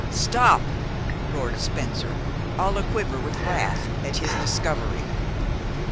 "Stop!" roared Spencer, all a quiver with wrath at his discovery.